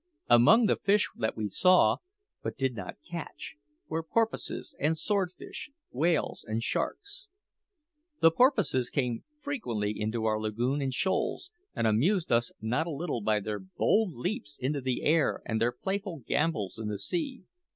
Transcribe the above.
Among the fish that we saw, but did not catch, were porpoises and swordfish, whales and sharks. The porpoises came frequently into our lagoon in shoals, and amused us not a little by their bold leaps into the air and their playful gambols in the sea.